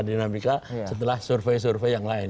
dinamika setelah survei survei yang lain